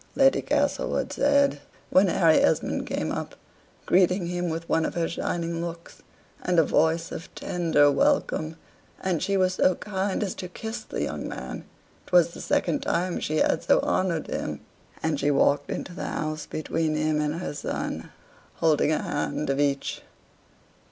Lady Castlewood said, when Harry Esmond came up, greeting him with one of her shining looks, and a voice of tender welcome; and she was so kind as to kiss the young man ('twas the second time she had so honored him), and she walked into the house between him and her son, holding a hand of each.